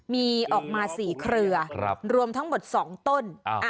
มีออกมา๔เครือรวมทั้งหมด๒ต้น